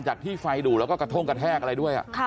จากที่ไฟดูดแล้วก็กระท่งกระแทกอะไรด้วย